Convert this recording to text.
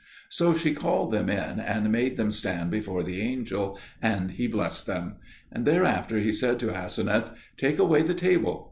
So she called them in, and made them stand before the angel, and he blessed them; and thereafter he said to Aseneth, "Take away the table."